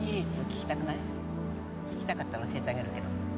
聞きたかったら教えてあげるわよ。